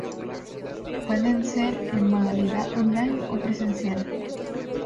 Pueden ser en modalidad online o presencial.